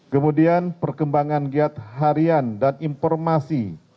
kemudian perkembangan giat harian dan informasi